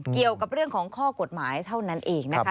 เกี่ยวกับเรื่องของข้อกฎหมายเท่านั้นเองนะคะ